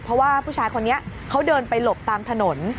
เพราะว่าผู้ชายคนนี้เขาเดินไปหลบตามถนน